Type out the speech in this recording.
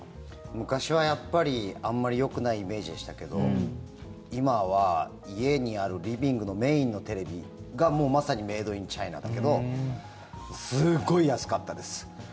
昔はやっぱり、あんまりよくないイメージでしたけど今は、家にあるリビングのメインのテレビがもうまさにメイド・イン・チャイナだけどすごい安かったです。